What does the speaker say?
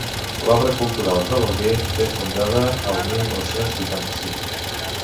L'obra cultural de l'Alguer ve fundada al mil nou-cents vuitanta-cinc